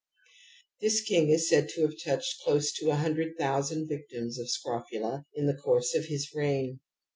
This king is said to have touched close to a hundred thousand victims of scrofula in the course of his reign.